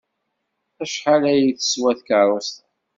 Acḥal ay teswa tkeṛṛust-a?